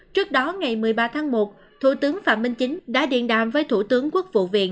trước đó ngày một mươi ba tháng một thủ tướng phạm minh chính đã điện đàm với thủ tướng quốc vụ viện